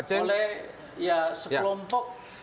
oleh ya sekelompok